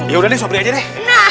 yaudah deh sop aja deh